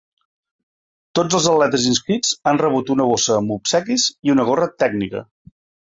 Tots els atletes inscrits han rebut una bossa amb obsequis i una gorra tècnica.